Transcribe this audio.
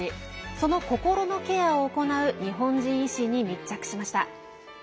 その心のケアを行う日本人医師に密着しました。